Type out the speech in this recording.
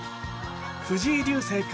藤井流星君